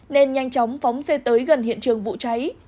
nên nhanh chóng phóng xe tới gần hiện trường vụ cháy